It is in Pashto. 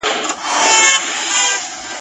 پیاز دي وي په نیاز دي وي ..